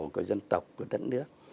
của dân tộc của đất nước